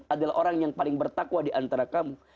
adalah orang yang paling bertakwa diantara kamu